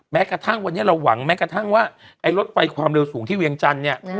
แม้กระทั่งวันนี้เราหวังแม้กระทั่งว่าไอ้รถไฟความเร็วสูงที่เวียงจันทร์เนี่ย